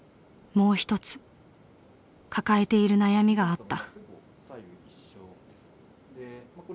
もう一つ抱えている悩みがあった。